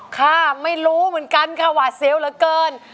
ค่ะไม่รู้เหมือนกันค่ะหวาดเสียวเหลือเกิน